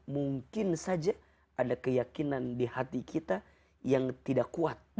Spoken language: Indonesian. mungkin saja ada keyakinan di hati kita yang tidak kuat